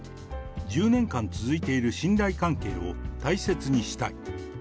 １０年間続いている信頼関係を大切にしたい。